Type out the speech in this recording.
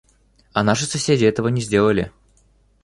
А наши соседи этого не сделали.